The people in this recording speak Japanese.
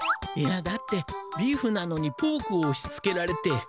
いやだってビーフなのにポークをおしつけられて。